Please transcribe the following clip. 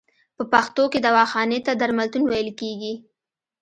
په پښتو کې دواخانې ته درملتون ویل کیږی.